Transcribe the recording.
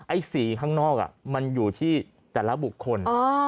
สีข้างนอกมันอยู่ที่แต่ละบุคคล